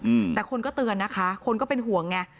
อืมแต่คนก็เตือนนะคะคนก็เป็นห่วงไง